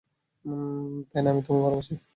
থেনা, আমি তোমায় ভালোবাসি।